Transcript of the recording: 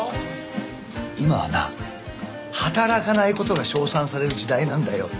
今はな働かない事が称賛される時代なんだよ。